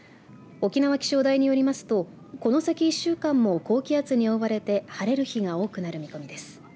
沖縄気象台によりますとこの先１週間も高気圧に覆われて晴れる日が多くなる見込みです。